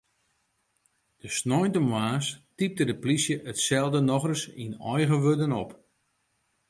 De sneintemoarns typte de plysje itselde nochris yn eigen wurden op.